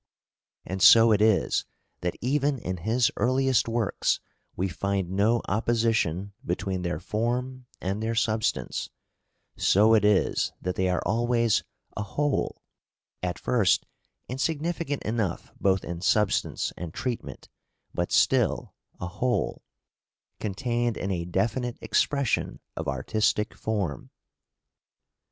And so it is that even in his earliest works we find no opposition between their form and their substance; so it is that they are always a whole at first insignificant enough both in substance and treatment, but still a whole contained in a definite expression of artistic form.